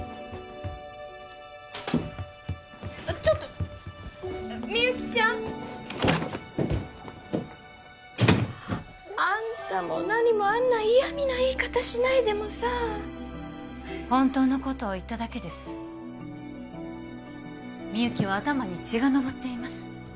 ちょっとみゆきちゃんあんたも何もあんな嫌みな言い方しないでもさ本当のことを言っただけですみゆきは頭に血が上っています